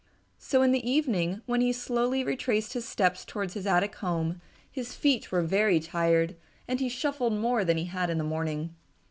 So in the evening when he slowly retraced his steps towards his attic home, his feet were very tired and he shuffled more than he had in the morning.